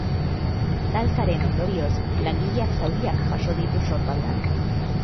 Talkaren ondorioz, langileak zauriak jaso ditu sorbaldan.